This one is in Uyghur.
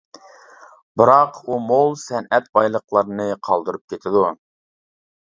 بىراق ئۇ مول سەنئەت بايلىقلىرىنى قالدۇرۇپ كېتىدۇ.